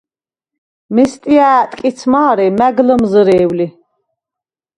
მესტია̄̈ ტკიც მა̄რე მა̈გ ლჷმზჷრე̄ვ ლი!